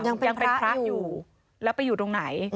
ยังเป็นพระอยู่แล้วไปอยู่ตรงไหน